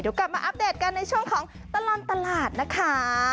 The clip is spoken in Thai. เดี๋ยวกลับมาอัปเดตกันในช่วงของตลอดตลาดนะคะ